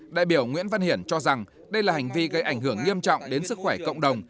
đại biểu nguyễn văn hiển cho rằng đây là hành vi gây ảnh hưởng nghiêm trọng đến sức khỏe cộng đồng